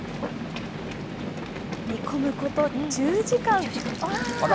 煮込むこと１０時間。